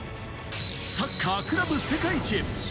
サッカークラブ世界一へ！